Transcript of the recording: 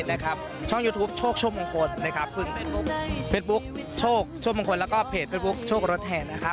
เดี๋ยวเชอรี่ไปยืนตรงนั้นเป็นไงบ้างคะ